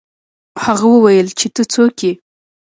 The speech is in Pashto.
هغه وویل چې ته څوک یې.